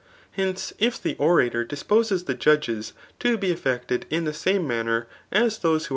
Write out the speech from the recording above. ] Hencei if ttie orator dis^ poses the judges^ be affe(:ted In the same m^ner as those aie who.